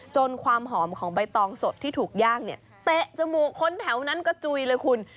ความหอมของใบตองสดที่ถูกย่างเนี่ยเตะจมูกคนแถวนั้นกระจุยเลยคุณ